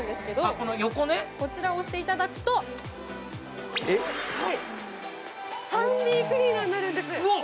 この横ねこちらを押していただくとはいハンディクリーナーになるんですわっ